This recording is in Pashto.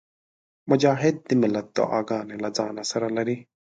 مجاهد د ملت دعاګانې له ځانه سره لري.